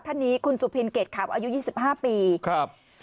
ท่านนี้คุณสุพินเกรดขับอายุ๒๕ปีครับครับ